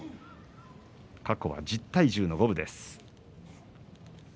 過去は１０対１０の五分です。